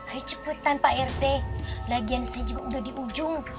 ayo cepetan pak rt lagian saya juga udah di ujung